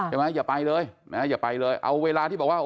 ใช่ไหมอย่าไปเลยเอาเวลาที่บอกว่า